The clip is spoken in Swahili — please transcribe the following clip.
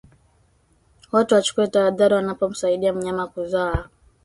Watu wachukue tahadhari wanapomsaidia mnyama kuzaa